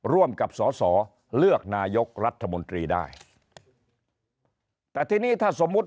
ร่วมกับสอสอเลือกนายกรัฐมนตรีได้แต่ทีนี้ถ้าสมมุติ